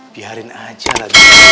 biarin aja lagi